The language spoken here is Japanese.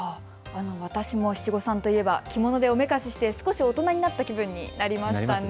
私も七五三といえば着物でおめかしして少し大人になった気分になりましたね。